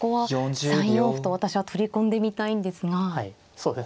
そうですね。